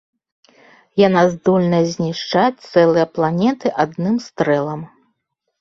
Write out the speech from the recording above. Яна здольная знішчаць цэлыя планеты адным стрэлам.